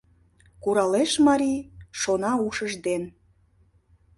Куралеш марий, шона ушыж ден: